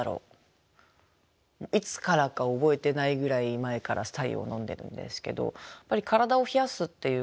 いつからか覚えてないぐらい前から白湯を飲んでるんですけどやっぱり体を冷やすっていうことが。